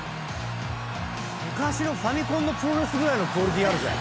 昔のファミコンのプロレスぐらいのクオリティーあるぜ。